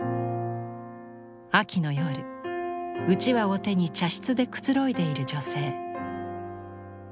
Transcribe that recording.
秋の夜うちわを手に茶室でくつろいでいる女性。